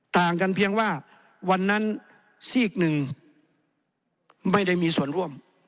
ต่างกันเพียงว่าวันนั้นซีกหนึ่งไม่ได้มีส่วนร่วม